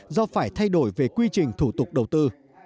do phải thay đổi về quy trình thủ tục đầu tư